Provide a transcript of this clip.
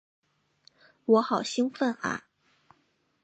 我好兴奋啊！